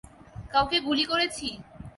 কাউকে গুলি করেছি?